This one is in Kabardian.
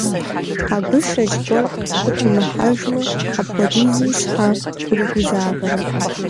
Абы шэч гуэр къытумыхьэжмэ, апхуэдизу щхьэ уригузавэрэ?